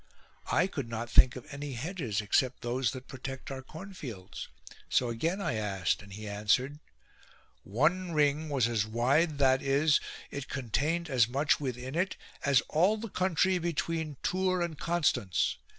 I could not think of any hedges except those that protect our cornfields, so again I asked and he answered :" One ring was as wide, that is, it contained as much within it, as all the country between Tours and Constance.